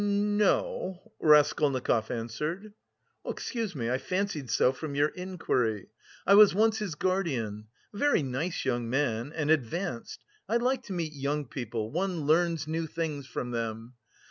no," Raskolnikov answered. "Excuse me, I fancied so from your inquiry. I was once his guardian.... A very nice young man and advanced. I like to meet young people: one learns new things from them."